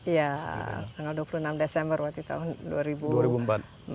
iya tanggal dua puluh enam desember waktu tahun dua ribu empat belas